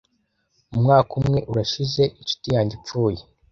Umwaka umwe urashize inshuti yanjye ipfuye.